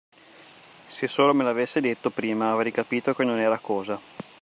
Se solo me l'avesse dato prima, avrei capito che non era cosa.